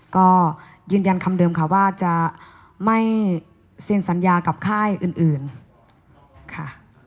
ก็ยืนยันคำเดิมค่ะว่าจะไม่เซ็นสัญญากับค่ายอื่นค่ะ